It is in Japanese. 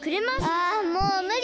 ああもうむり！